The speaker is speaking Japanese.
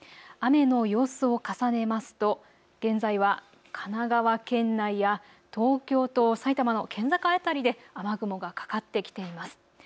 雨の様子を重ねますと現在は神奈川県内や東京と埼玉の県境辺りで雨雲がかかってきています。